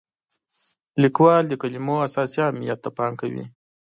لیکوال د کلمو اساسي اهمیت ته پام کوي.